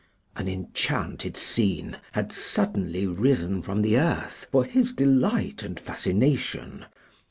An enchanted scene had suddenly risen from the earth for his delight and fascination.